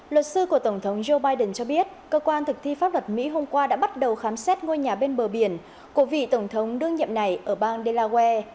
luật sư của tổng thống joe biden cho biết cơ quan thực thi pháp luật mỹ hôm qua đã bắt đầu khám xét ngôi nhà bên bờ biển của vị tổng thống đương nhiệm này ở bang delaware